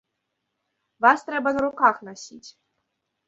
Вас трэба на руках насіць.